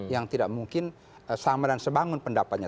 yang tidak mungkin sama dan sebangun pendapatnya